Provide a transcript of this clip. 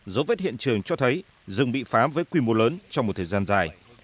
dấu vết hiện trường cho thấy rừng bị phá với quy mô lớn trong một thời gian dài